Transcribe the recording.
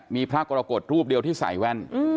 มีพระกรกฎรูปเดียวที่ใส่แว่น